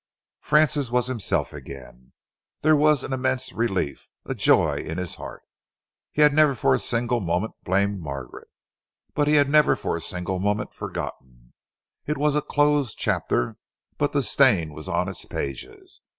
Francis was himself again. There was an immense relief, a joy in his heart. He had never for a single moment blamed Margaret, but he had never for a single moment forgotten. It was a closed chapter but the stain was on its pages.